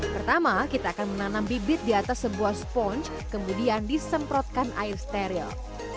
pertama kita akan menanam bibit di atas sebuah sponge kemudian disemprotkan air steril